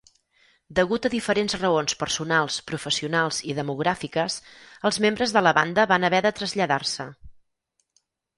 Degut a diferents raons personals, professionals i demogràfiques, els membres de la banda van haver de traslladar-se.